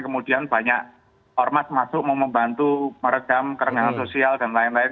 kemudian banyak hormat masuk mau membantu merejam kerengangan sosial dan lain lain